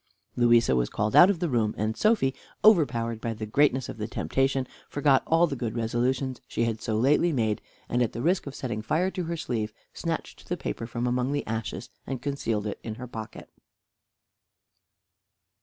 Louisa was called out of the room, and Sophy, overpowered by the greatness of the temptation, forgot all the good resolutions she had so lately made, and at the risk of setting fire to her sleeve, snatched the paper from among the ashes, and concealed it in her pocket.